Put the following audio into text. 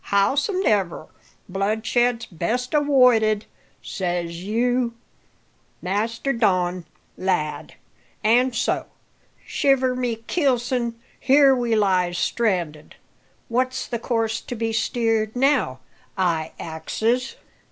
Howsomedever, bloodshed's best awoided, says you, Master Don, lad; an' so, shiver my keelson! here we lies stranded. What's the course to be steered now, I axes?